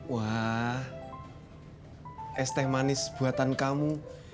wah es teh manis buatan kamu